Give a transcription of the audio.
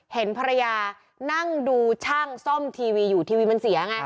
เห็นภรรยานั่งดูช่างซ่อมทีวีอยู่ทีวีมันเสียไง